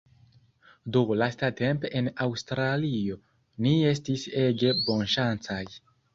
Do lastatempe en Aŭstralio ni estis ege bonŝancaj